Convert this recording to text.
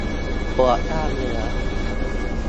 ปวดกล้ามเนื้อ